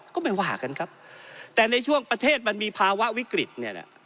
ก็ไม่ว่ากันครับแต่ในช่วงประเทศมันมีภาวะวิกฤตเนี่ยนะ